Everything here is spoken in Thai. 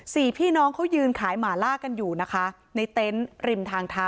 สี่พี่น้องเขายืนขายหมาล่ากันอยู่นะคะในเต็นต์ริมทางเท้า